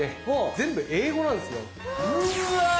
全部英語なんですよ。うわ。